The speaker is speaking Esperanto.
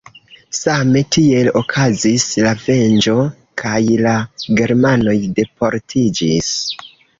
Same tiel okazis la venĝo kaj la germanoj deportiĝis.